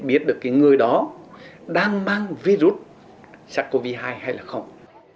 biết được cái người đó đang mang virus sars cov hai hay là không